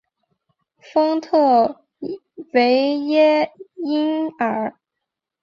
丰特维耶伊尔。